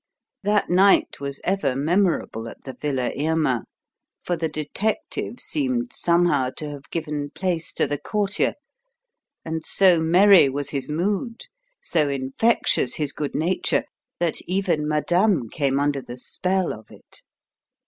That night was ever memorable at the Villa Irma, for the detective seemed somehow to have given place to the courtier, and so merry was his mood, so infectious his good nature, that even madame came under the spell of it.